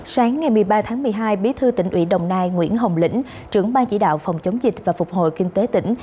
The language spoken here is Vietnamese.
sáng ngày một mươi ba tháng một mươi hai bí thư tỉnh ủy đồng nai nguyễn hồng lĩnh trưởng ban chỉ đạo phòng chống dịch và phục hồi kinh tế tỉnh